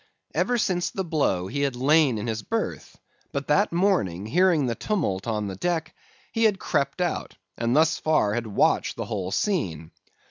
Ever since the blow, he had lain in his berth; but that morning, hearing the tumult on the deck, he had crept out, and thus far had watched the whole scene.